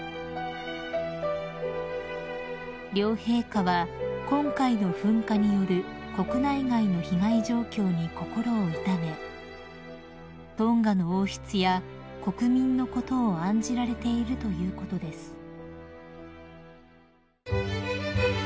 ［両陛下は今回の噴火による国内外の被害状況に心を痛めトンガの王室や国民のことを案じられているということです］